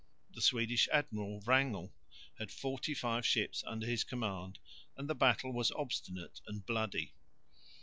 The Swedish admiral Wrangel had forty five ships under his command, and the battle was obstinate and bloody.